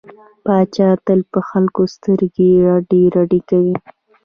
پاچا تل په خلکو سترګې رډې رډې کوي.